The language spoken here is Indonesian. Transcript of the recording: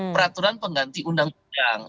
peraturan pengganti undang undang